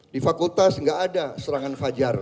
di fakultas nggak ada serangan fajar